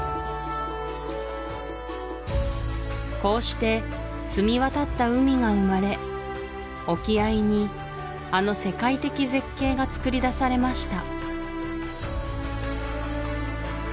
こうして澄みわたった海が生まれ沖合にあの世界的絶景がつくりだされました